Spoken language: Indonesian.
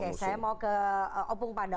oke saya mau ke opung panda